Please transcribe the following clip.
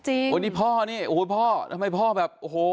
ทำไมพ่อเนี่ยโอ้โหพ่อทำไมพ่อแบบโอ้โห